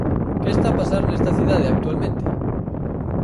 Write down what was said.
Que está a pasar nesta cidade actualmente?